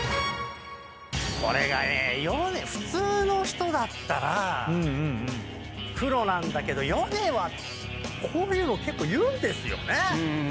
これがね普通の人だったらクロなんだけどヨネはこういうの結構言うんですよね。